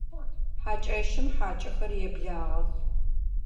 Хьакӏэщым хьакӏэхэр еблагъэх.